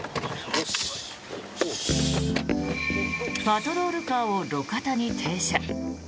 パトロールカーを路肩に停車。